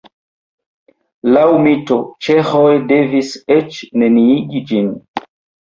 Laŭ mito ĉeĥoj devis eĉ neniigi ĝin.